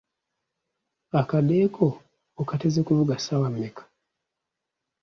Akade ko okateze kuvuga ssaawa mmeka?